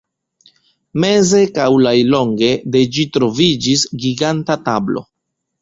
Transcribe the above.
Meze kaj laŭlonge de ĝi troviĝis giganta tablo.